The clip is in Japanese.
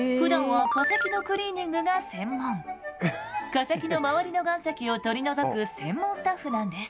化石の周りの岩石を取り除く専門スタッフなんです。